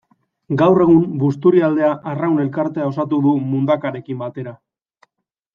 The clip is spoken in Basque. Gaur egun Busturialdea Arraun Elkartea osatu du Mundakarekin batera.